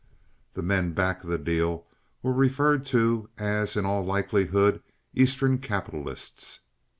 The men back of the deal were referred to as "in all likelihood Eastern capitalists."